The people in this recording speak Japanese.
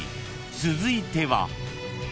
続いては］